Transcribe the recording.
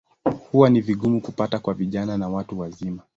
Huwa ni vigumu kupata kwa vijana na watu wazima.